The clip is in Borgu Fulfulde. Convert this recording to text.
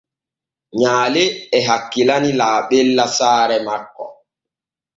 Nyaale e hakkilani laaɓella saare makko.